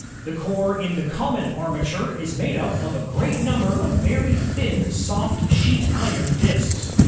The core in the common armature is made up of a great number of very thin soft sheet iron disks.